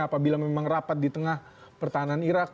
apabila memang rapat di tengah pertahanan irak